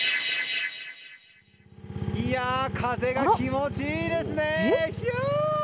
いやー風が気持ちいいですね！